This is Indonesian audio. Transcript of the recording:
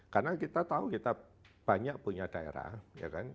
karena kita tahu kita banyak punya daerah ya kan